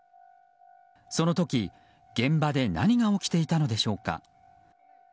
その時、現場で何が起きていたのでしょうか。